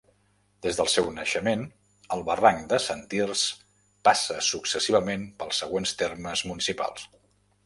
Des del seu naixement, el Barranc de Sant Tirs passa successivament pels següents termes municipals.